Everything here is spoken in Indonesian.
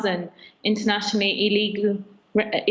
anda tahu kita memiliki